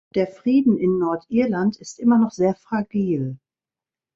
Der Frieden in Nordirland ist immer noch sehr fragil.